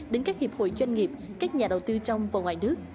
đến các hiệp hội doanh nghiệp các nhà đầu tư trong và ngoài nước